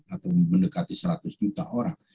atau mendekati seratus juta orang